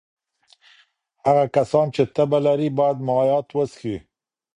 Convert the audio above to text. هغه کسان چې تبه لري باید مایعات وڅښي.